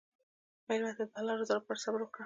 مېلمه ته د الله رضا لپاره صبر وکړه.